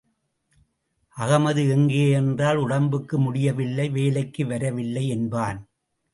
அகமது எங்கே என்றால், உடம்புக்கு முடியவில்லை, வேலைக்கு வரவில்லை என்பான்.